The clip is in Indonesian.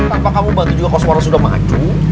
apa kamu bantu juga koswara sudah maju